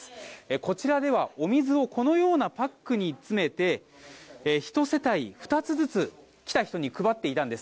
こちらでは、お水をこのようなパックに詰めて１世帯２つずつ来た人に配っていたんです。